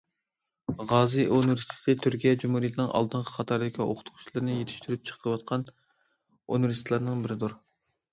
غازى ئۇنىۋېرسىتېتى، تۈركىيە جۇمھۇرىيىتىنىڭ ئالدىنقى قاتاردىكى ئوقۇتقۇچىلىرىنى يېتىشتۈرۈپ چىقىۋاتقان ئۇنىۋېرسىتېتلارنىڭ بىرىدۇر.